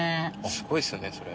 すごいですよねそれ。